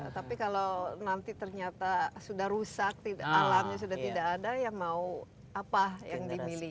tapi kalau nanti ternyata sudah rusak alamnya sudah tidak ada ya mau apa yang dimiliki